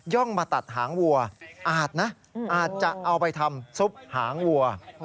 ่องมาตัดหางวัวอาจนะอาจจะเอาไปทำซุปหางวัว